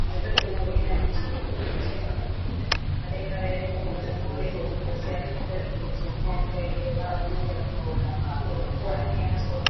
Na ushirikiano wa baina ya nchi ili kuthibitisha madai hayo na kwamba Jamuhuri ya Kidemokrasia ya Kongo ingetumia njia hiyo mara moja iwapo walikuwa na nia nzuri”